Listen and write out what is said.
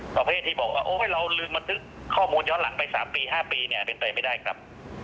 มอเฟสบอกโอ้เว่ยเราลืมมาทึกข้อมูลย้อนหลังไป๓๕ปีเป็นไปไม่ได้ครับ